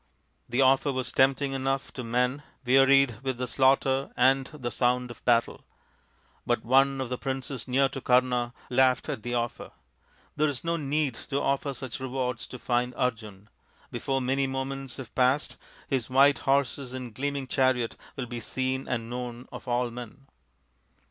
The offer was tempting enough to men wearied with the slaughter and the sound of battle. But one of the princes near to Kama laughed at the offer. " There is no need to offer rich rewards to find out Arjun. Before many moments have passed his white horses and gleaming chariot will be seen and known of all men.